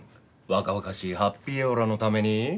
若々しいハッピーオーラのために。